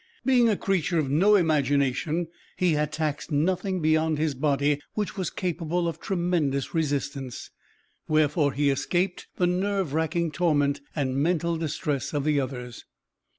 Being a creature of no imagination, he had taxed nothing beyond his body, which was capable of tremendous resistance, wherefore he escaped the nerve racking torment and mental distress of the others.